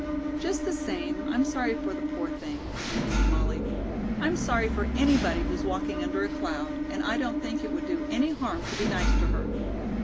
"Just the same, I'm sorry for the poor thing," continued Molly. "I'm sorry for anybody who's walking under a cloud, and I don't think it would do any harm to be nice to her."